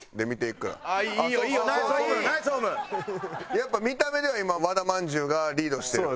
やっぱ見た目では今和田まんじゅうがリードしてる。